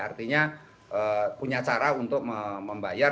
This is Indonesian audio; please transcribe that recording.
artinya punya cara untuk membayar